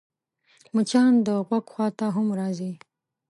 مچان د غوږ خوا ته هم راځي